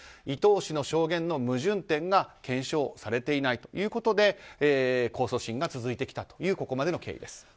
伊藤氏の証言の矛盾点が検証されていないということで控訴審が続いてきたというここまでの経緯です。